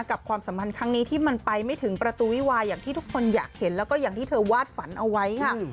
ความสัมพันธ์ครั้งนี้ที่มันไปไม่ถึงประตูวิวาอย่างที่ทุกคนอยากเห็นแล้วก็อย่างที่เธอวาดฝันเอาไว้ค่ะ